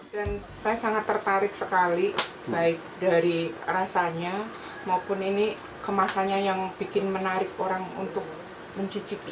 saya sangat tertarik sekali baik dari rasanya maupun ini kemasannya yang bikin menarik orang untuk mencicipi